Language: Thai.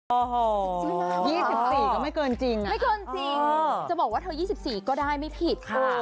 โอ้โหไม่เกินจริงจะบอกว่าเธอยี่สิบสี่ก็ได้ไม่ผิดค่ะค่ะ